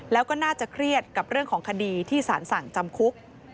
แล้วก็น่าจะเครียดกับเรื่องของคดีที่สารสั่งจำคุก